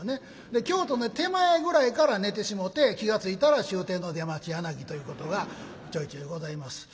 京都の手前ぐらいから寝てしもて気が付いたら終点の出町柳ということがちょいちょいございます。